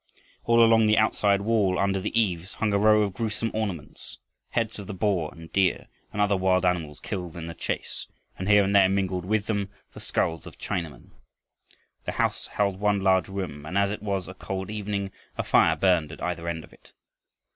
All along the outside wall, under the eaves, hung a row of gruesome ornaments, heads of the boar and deer and other wild animals killed in the chase, and here and there mingled with them the skulls of Chinamen. The house held one large room, and, as it was a cold evening, a fire burned at either end of it.